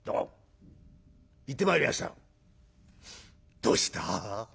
「どうした？